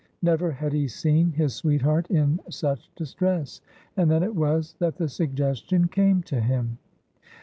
Never had he seen his sweetheart in such distress, and then it was that the suggestion came to him.